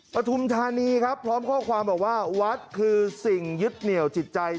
ปฐุมธานีครับพร้อมข้อความบอกว่าวัดคือสิ่งยึดเหนี่ยวจิตใจ